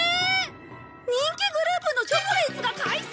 人気グループのチョコレイツが解散！？